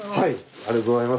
ありがとうございます。